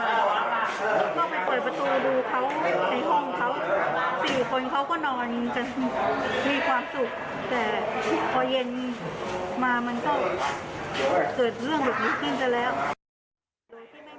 แต่พอเย็นมามันก็เกิดเรื่องเหลือนี้ขึ้นซะแล้ว